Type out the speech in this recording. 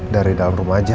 dari dalam rumah aja